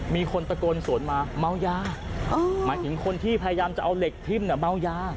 มีคนตะโกนสวนมาเมายาหมายถึงคนที่พยายามจะเอาเหล็กทิ้มเมายา